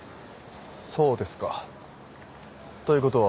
そうですかということは。